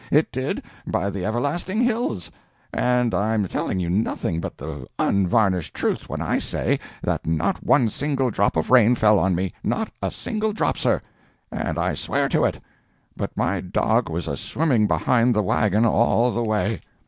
It did, by the everlasting hills! And I'm telling you nothing but the unvarnished truth when I say that not one single drop of rain, fell on me—not a single drop, sir! And I swear to it! But my dog was a swimming behind the wagon all the way!"